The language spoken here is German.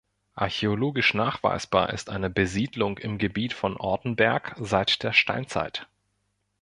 Archäologisch nachweisbar ist eine Besiedlung im Gebiet von Ortenberg seit der Steinzeit.